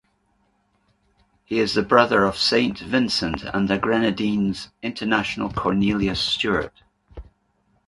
He is the brother of Saint Vincent and the Grenadines international Cornelius Stewart.